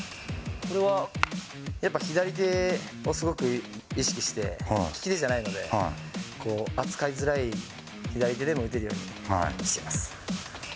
これは、やっぱ左手をすごく意識して、利き手じゃないので、扱いづらい左手でも打てるようにしてます。